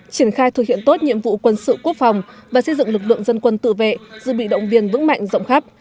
triển khai thực hiện tốt nhiệm vụ quân sự quốc phòng và xây dựng lực lượng dân quân tự vệ dự bị động viên vững mạnh rộng khắp